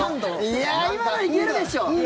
いや、今のいけるでしょ！